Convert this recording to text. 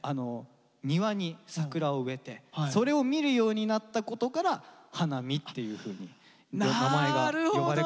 庭に桜を植えてそれを見るようになったことから花見っていうふうに名前が呼ばれ方も変わっていったという。